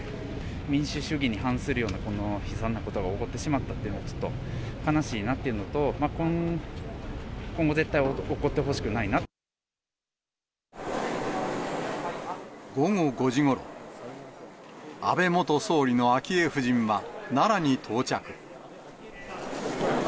民主主義に反するようなこの悲惨なことが起こってしまったっていうことが、ちょっと悲しいなっていうのと、今後、絶対起こってほ午後５時ごろ、安倍元総理の昭恵夫人は、奈良に到着。